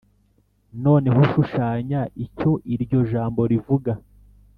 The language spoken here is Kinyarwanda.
Noneho shushanya icyo iryo jambo rivuga .